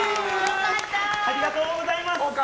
ありがとうございます！